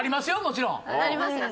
もちろん。ありますよ